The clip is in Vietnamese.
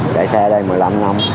chạy xe ở đây một mươi năm năm